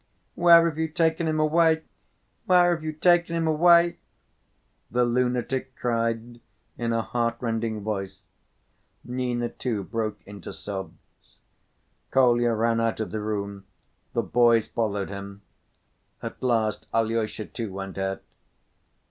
"Where have you taken him away? Where have you taken him?" the lunatic cried in a heartrending voice. Nina, too, broke into sobs. Kolya ran out of the room, the boys followed him. At last Alyosha too went out.